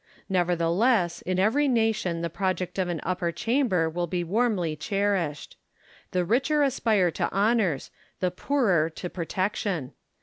Nevertheless, in every nation the project of an upper chamber will be warmly cherished. The richer aspire to honours, the poorer to protection.